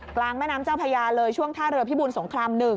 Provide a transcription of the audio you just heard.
กลางแม่น้ำเจ้าพญาเลยช่วงท่าเรือพิบูลสงคราม๑